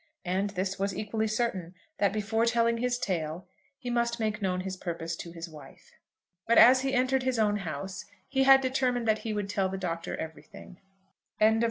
And this was equally certain, that before telling his tale, he must make known his purpose to his wife. But as he entered his own house he had determined that he would tell the Doctor everything. CHAPTER V.